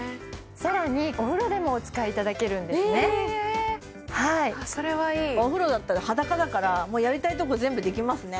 更にお風呂でもお使いいただけるんですねお風呂だったら裸だからもうやりたいとこ全部できますね